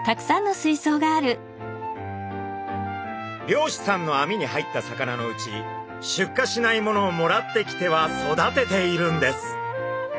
漁師さんの網に入った魚のうち出荷しないものをもらってきては育てているんです。